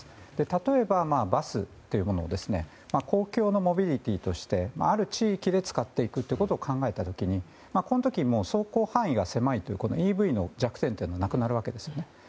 例えばバスというものは公共のモビリティーとしてある地域で使っていくことを考えた時にこの時に走行範囲が狭いというのはＥＶの弱点はなくなるわけですよね。